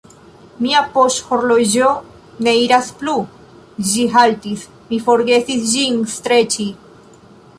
Mia poŝhorloĝo ne iras plu, ĝi haltis; mi forgesis ĝin streĉi.